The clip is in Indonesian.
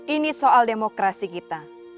ini soal demokrasi kita